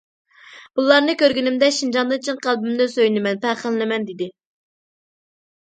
بۇلارنى كۆرگىنىمدە، شىنجاڭدىن چىن قەلبىمدىن سۆيۈنىمەن، پەخىرلىنىمەن، دېدى.